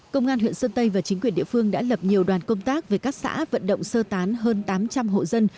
công an huyện sơn tây và chính quyền địa phương đã lập nhiều đoàn công tác về các xã vận động sơ tán hơn tám trăm linh hộ dân